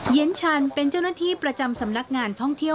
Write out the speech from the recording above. เย็นชันเป็นเจ้าหน้าที่ประจำสำนักงานท่องเที่ยว